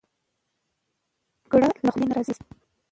ګړه له خولې نه راوځي.